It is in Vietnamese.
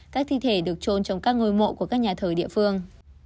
các thi thể được trôn trong các ngôi mộ của các nhà thờ địa phương